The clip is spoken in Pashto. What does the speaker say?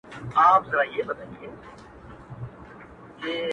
د کهول یو غړی تنها مات کړي-